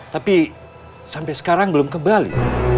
tapi sampai sekarang belum kembali